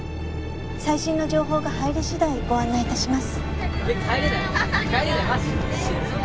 最新の情報が入り次第ご案内致します。